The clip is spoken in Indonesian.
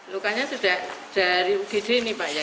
lukanya tidak dari ugd ini pak ya